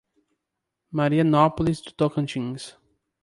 Marianópolis do Tocantins